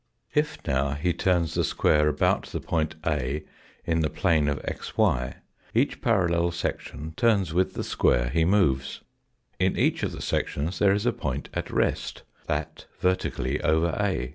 filGttBR WOELt) 65 tf DOW he turns the square about the point A in the plane of xy, each parallel section turns with the square he moves. In each of the sections there is a point at rest, that vertically over A.